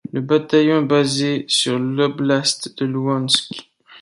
Le bataillon est basé sur l'oblast de Louhansk.